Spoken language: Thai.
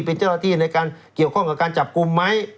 เป็นเจ้าหน้าที่ในการเกี่ยวข้องกับการจับกลุ่มไหม